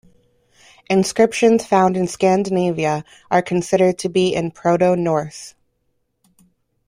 Inscriptions found in Scandinavia are considered to be in Proto-Norse.